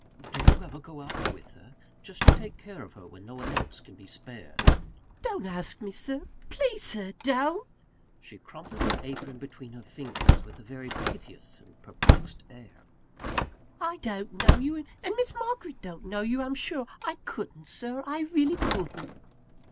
"Do you ever go out with her? just to take care of her when no one else can be spared?" "Don't ask me please, Sir, don't!" She crumpled her apron between her fingers, with a very piteous and perplexed air. "I don't know you; and Miss Margaret don't know you, I'm sure I couldn't, Sir, I really couldn't!"